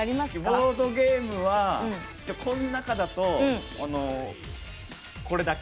ボードゲームはこの中だと、これだけ。